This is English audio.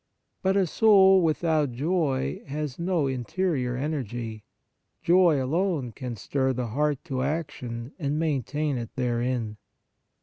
But a soul without joy has no interior energy ; joy alone can stir the heart to action and maintain it therein.